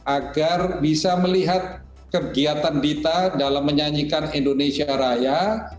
agar bisa melihat kegiatan dita dalam menyanyikan indonesia raya